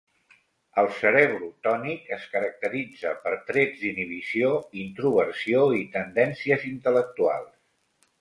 El cerebrotònic es caracteritza per trets d'inhibició, introversió i tendències intel·lectuals.